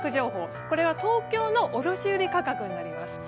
これは東京の卸売価格になります。